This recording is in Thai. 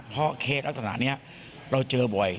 เพราะเคปอัสนานนี้เราเจอบ่อย